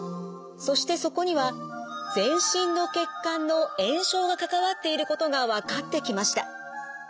そしてそこには全身の血管の炎症が関わっていることが分かってきました。